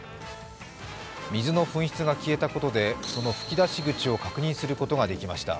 水の噴出が消えたことでその噴き出し口を確認することができました。